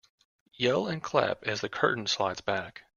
Yell and clap as the curtain slides back.